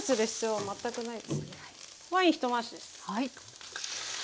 はい。